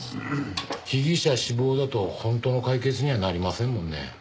被疑者死亡だと本当の解決にはなりませんもんね。